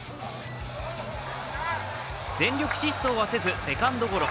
全力疾走はせずセカンドゴロ。